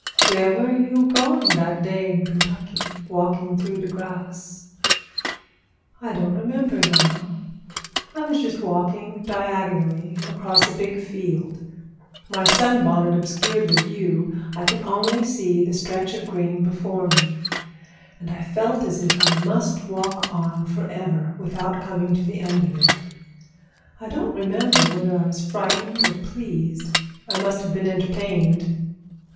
"Where were you going that day in Kentucky, walking through the grass?" "I don't remember now. I was just walking diagonally across a big field. My sun bonnet obstructed the view. I could see only the stretch of green before me, and I felt as if I must walk on forever, without coming to the end of it. I don't remember whether I was frightened or pleased. I must have been entertained.